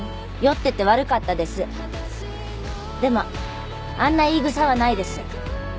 でもあんな言い草はないです。